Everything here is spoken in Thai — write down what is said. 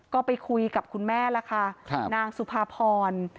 ก็ไปคุยกับคุณแม่ล่ะค่ะนางสุภาพร